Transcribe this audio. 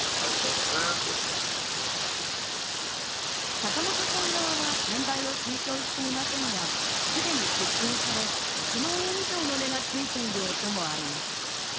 坂本さん側は転売を推奨していませんが、すでに出品され１００万円以上の値がついている音もあります。